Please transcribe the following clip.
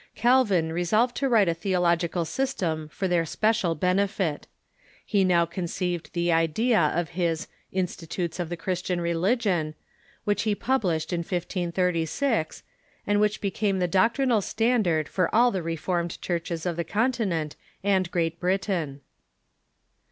Calvin resolved to write a theological system for their special benefit. He now conceived the idea of his " Institutes of the Christian Relig ion " which he published in 1536, and which became the doc trinal standard for all the Reformed churches of the Conti nent and Great Britain.